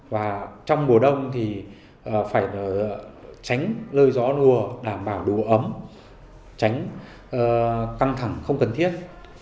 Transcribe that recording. và trong mùa đông thì phải tránh lơi gió lùa đảm bảo đủ ấm tránh căng thẳng không cần thiết